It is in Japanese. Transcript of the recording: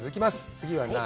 次は何？